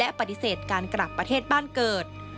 ปฏิเสธการกลับประเทศบ้านเกิด